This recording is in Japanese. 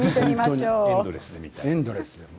エンドレス。